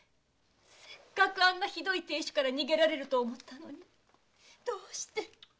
せっかくあんなひどい亭主から逃げられると思ったのにどうして？